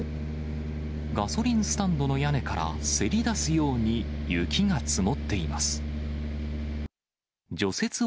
ガソリンスタンドの屋根からせり出すように、雪が積もっています。